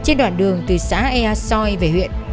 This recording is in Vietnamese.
trong đoạn đường từ xã ea soi về huyện